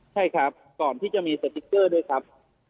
ใช่ครับก่อนที่จะมีสติ๊กเกอร์ด้วยครับ